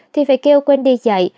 thì phải kêu wendy dậy